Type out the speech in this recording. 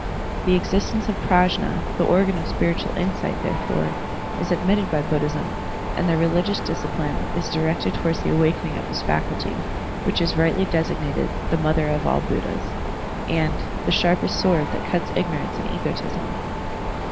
The existence of Prajfi^, the organ of spiritual insight, therefore, is admitted by Buddhism, and their religious disci pline is directed towards the awakening of this faculty, which is rightly designated "the mother of all Buddhas," and "the sharpest sword that cuts ignorance and egotism."